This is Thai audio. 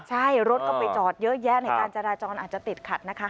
ใช่รถก็ไปจอดเยอะแยะในการจราจรอาจจะติดขัดนะคะ